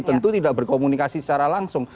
tentu tidak berkomunikasi secara langsung